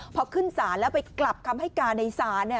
พอขึ้นศาลแล้วไปกลับคำให้การในศาล